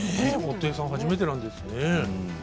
布袋さんも初めてなんですね。